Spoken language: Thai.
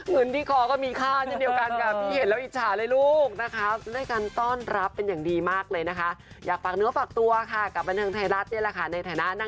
เงินที่ขอก็มีค่าอย่างเดียวกันกัน